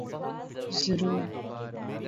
ضرور۔